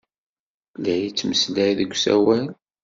La yettmeslay deg usawal.